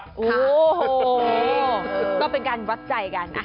โอ้โหก็เป็นการวัดใจกัน